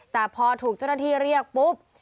แต่พอถูกเจ้าหน้าที่เรียกปุ๊บ